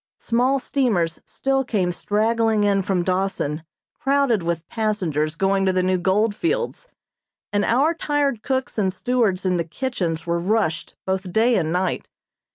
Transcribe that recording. Small steamers still came straggling in from Dawson crowded with passengers going to the new gold fields, and our tired cooks and stewards in the kitchens were rushed both day and night.